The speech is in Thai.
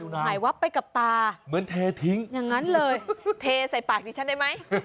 หายวับไปกับตาเหมือนเททิ้งอย่างนั้นเลยเทใส่ปากดิฉันได้ไหม